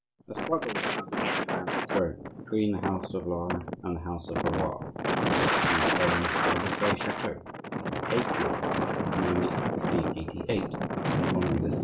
A struggle was now beginning around the throne, between the house of Lorraine and the house of Valois, which was destined to end in this very chateau, twenty eight years later, namely in 1588, when Henri III.